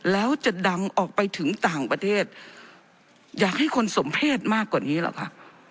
แล้วจะดังออกไปถึงต่างประเทศอยากให้คนสมเพศมากกว่านี้หรอกค่ะ